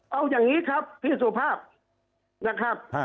เอาอย่างนี้ครับพี่สุภาพนะครับ